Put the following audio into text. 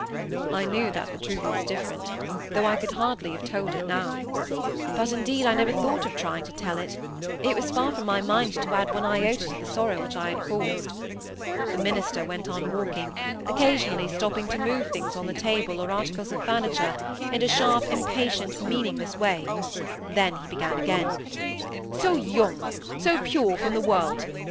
I knew that the truth was different, though I could hardly have told it now; but, indeed, I never thought of trying to tell; it was far from my mind to add one iota to the sorrow which I had caused. The minister went on walking, occasionally stopping to move things on the table, or articles of furniture, in a sharp, impatient, meaningless way, then he began again,— "So young, so pure from the world!